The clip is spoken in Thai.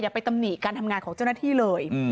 ไปตำหนิการทำงานของเจ้าหน้าที่เลย